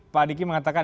pak adiki mengatakan